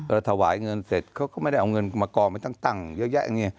ถวายเงินเสร็จเขาก็ไม่ได้เอาเงินมากองไปตั้งเยอะแยะอย่างนี้